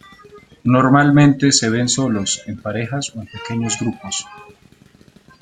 Normalmente se ven solos, en parejas o en pequeños grupos.